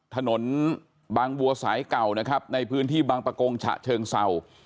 ถนนบางบัวสายเก่านะครับในพื้นที่บางประกงฉะเชิงเศร้า